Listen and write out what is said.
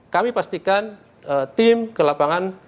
kami pastikan tim ke lapangan